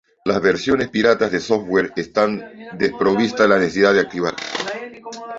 Las versiones piratas de software están desprovistas de la necesidad de activar.